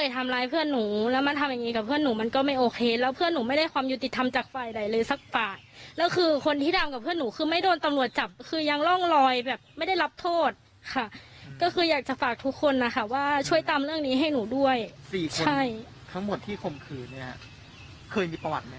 ทั้งหมดที่คุมคืนคือมีประวัติไหม